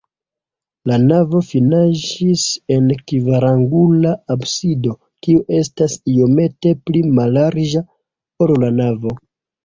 La navo finiĝas en kvarangula absido, kiu estas iomete pli mallarĝa, ol la navo.